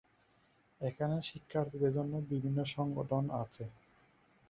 এখানে শিক্ষার্থীদের জন্য বিভিন্ন সংগঠন আছে।